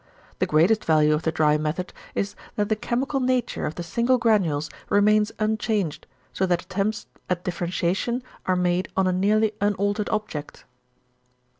The greatest value of the dry method is that the =chemical nature= of the single granules remains unchanged, so that attempts at differentiation are made on a nearly unaltered object.